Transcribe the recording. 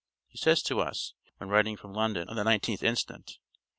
He says to us, when writing from London, on the 19th inst.